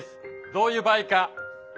どういう場合か。